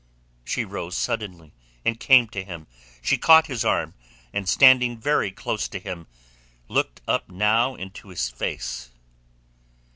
She rose suddenly, and came to him. She caught his arm, and standing very close to him, looked up now into his face.